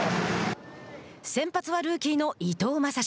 先発はルーキーの伊藤将司。